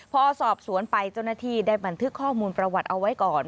พอสอบสวนไปเจ้าหน้าที่ได้บันทึกข้อมูลประวัติเอาไว้ก่อน